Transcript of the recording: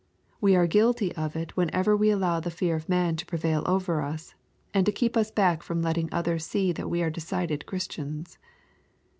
We are guilty of it when ever we allow the fear of man to prevail over us, and to keep us back from letting others see that we are decided Christians.